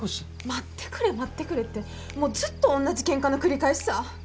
待ってくれ待ってくれってもうずっと同じケンカの繰り返しさ。